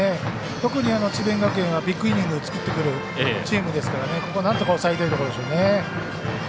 特に智弁学園はビッグイニングを作ってくるチームですからここ、なんとか抑えたいところでしょうね。